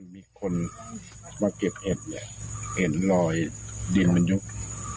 มีคนมาเก็บเห็นเห็นรอยดินมนุษย์